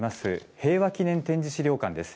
平和祈念展示資料館です。